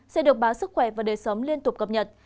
sẽ được báo sức khỏe và đời sống liên tục cập nhật